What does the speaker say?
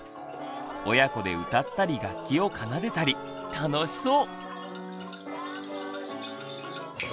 親子で歌ったり楽器を奏でたり楽しそう！